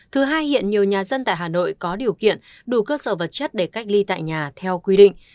thứ hai hiện nhiều nhà dân tại hà nội có điều kiện đủ cơ sở vật chất để cách ly tại nhà theo quy định